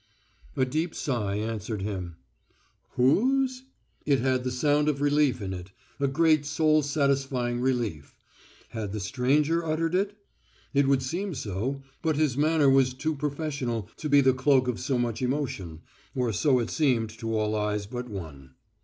A deep sigh answered him. Whose? It had the sound of relief in it, a great soul satisfying relief. Had the stranger uttered it? It would seem so, but his manner was too professional to be the cloak of so much emotion, or so it seemed to all eyes but one.